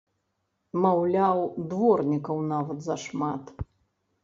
Маўляў, дворнікаў нават зашмат!